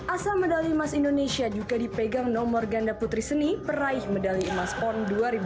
asal medali emas indonesia juga dipegang nomor ganda putri seni peraih medali emas pon dua ribu dua puluh